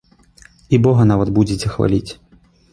І бога нават будзеце хваліць.